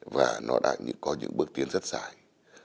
và nó đã có những bước tiến rất dài